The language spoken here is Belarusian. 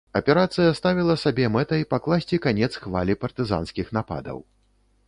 Аперацыя ставіла сабе мэтай пакласці канец хвалі партызанскіх нападаў.